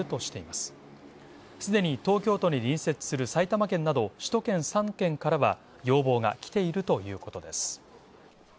すでに東京都に隣接する埼玉県など首都圏３県からは要望がきているということです。